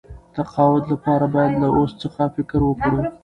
تقاعد لپاره باید له اوس څخه فکر وکړو.